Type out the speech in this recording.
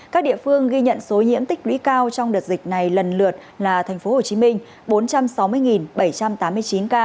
các địa phương ghi nhận số nhiễm tích lũy cao trong đợt dịch này lần lượt là tp hcm bốn trăm sáu mươi bảy trăm tám mươi chín ca